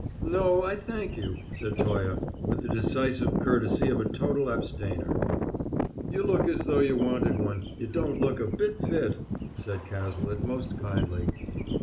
"No, I thank you," said Toye, with the decisive courtesy of a total abstainer. "You look as if you wanted one; you don't look a bit fit," said Cazalet most kindly.